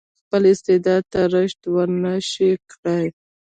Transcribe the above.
خپل استعداد ته رشد ورنه شي کړای.